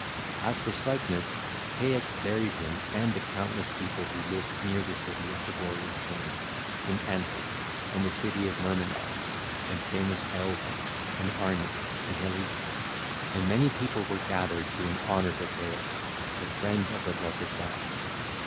(ll. 472 480) As for Cycnus, Ceyx buried him and the countless people who lived near the city of the glorious king, in Anthe and the city of the Myrmidons, and famous Iolcus, and Arne, and Helice: and much people were gathered doing honour to Ceyx, the friend of the blessed gods.